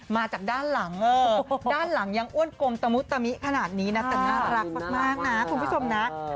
มาจากด้านหลังด้านหลังยังอ้วนกลมตะมุตมิขนาดนี้นะแต่น่ารักมากนะคุณผู้ชมนะ